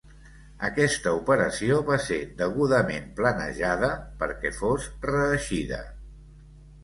Aquesta operació va ser degudament planejada perquè fos reeixida.